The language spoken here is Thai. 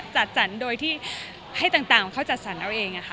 จัดสรรโดยที่ให้ต่างเขาจัดสรรเอาเองค่ะ